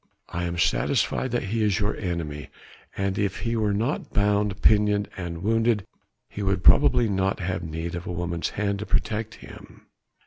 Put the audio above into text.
I am satisfied that he is your enemy, and if he were not bound, pinioned and wounded he would probably not have need of a woman's hand to protect him."